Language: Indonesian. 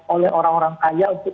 oleh orang orang kaya untuk